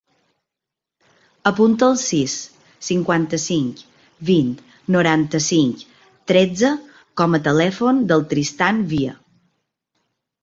Apunta el sis, cinquanta-cinc, vint, noranta-cinc, tretze com a telèfon del Tristan Via.